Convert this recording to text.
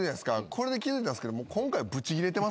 これで気付いたんすけど今回。